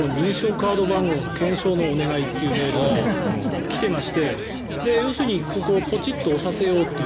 カード番号の検証のお願いというメールが来てまして、要するにポチっと押させようという。